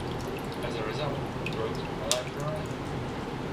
As a result, he wrote A Life for a Life?